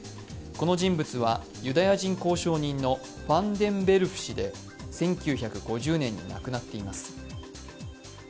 この人物は、ユダヤ人公証人のファンデンベルフ氏で１９５０年に亡くなっています。